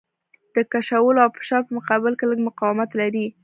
د کشولو او فشار په مقابل کې لږ مقاومت لري.